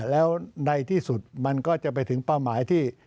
แล้วในที่สุดมันก็จะไปถึงเป้าหมายที่